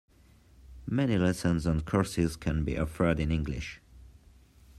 Many lessons and courses can be offered in English.